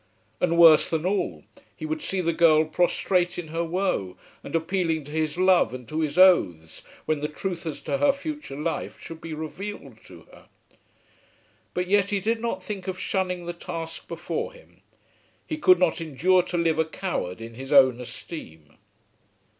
And, worse than all, he would see the girl prostrate in her woe, and appealing to his love and to his oaths, when the truth as to her future life should be revealed to her. But yet he did not think of shunning the task before him. He could not endure to live a coward in his own esteem.